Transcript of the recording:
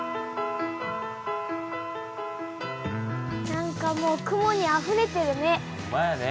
なんかもう雲にあふれてるね。